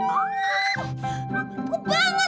aduh bubuk banget mami